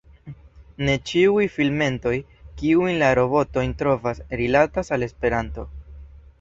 Ne ĉiuj filmetoj, kiujn la robotoj trovas, rilatas al Esperanto.